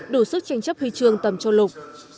đủ sức tranh chấp huy chương tầm châu lục